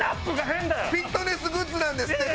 フィットネスグッズなんですって